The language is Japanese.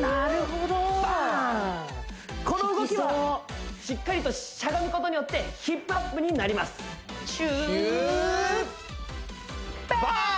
なるほど効きそうこの動きはしっかりとしゃがむことによってヒップアップになりますヒューバーン！